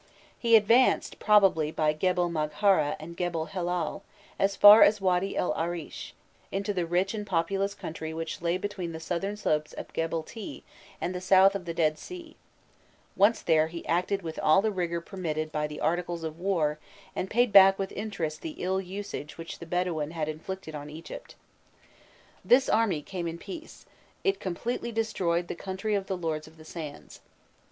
He advanced, probably by Gebel Magharah and Gebel Helal, as far as Wady el Arîsh, into the rich and populous country which lay between the southern slopes of Gebel Tîh and the south of the Dead Sea: once there he acted with all the rigour permitted by the articles of war, and paid back with interest the ill usage which the Bedouin had inflicted on Egypt. "This army came in peace, it completely destroyed the country of the Lords of the Sands.